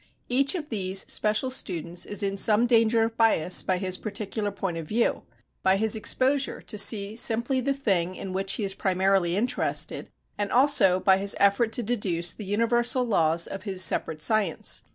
Each of these special students is in some danger of bias by his particular point of view, by his exposure to see simply the thing in which he is primarily interested, and also by his effort to deduce the universal laws of his separate science.